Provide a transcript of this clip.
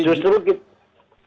justru kita menunggu apa yang